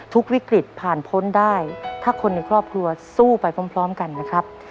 วิกฤตผ่านพ้นได้ถ้าคนในครอบครัวสู้ไปพร้อมกันนะครับ